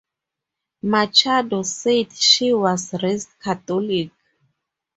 Machado said she was raised Catholic.